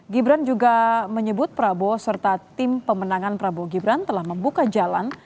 gibran juga menyebut prabowo serta tim pemenangan prabowo gibran telah membuka jalan